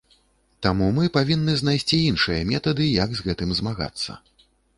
Таму мы павінны знайсці іншыя метады, як з гэтым змагацца.